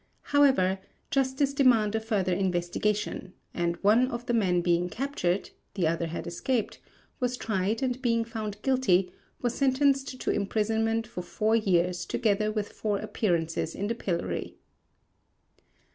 However, Justice demanded a further investigation, and one of the men being captured the other had escaped was tried, and being found guilty, was sentenced to imprisonment for four years together with four appearances in the pillory.